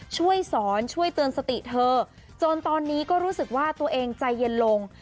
ช่วยสอนช่วยเตือนสติเธอจนตอนนี้ก็รู้สึกว่าตัวเองใจเย็นลง